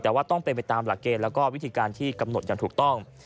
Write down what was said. แต่ว่าต้องเป็นไปตามหลักเกณฑ์แล้วก็วิธีการที่กำหนดอย่างถูกต้อง